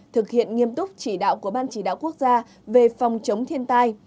thực hiện nghiêm túc chỉ đạo của ban chỉ đạo quốc gia về phòng chống thiên tai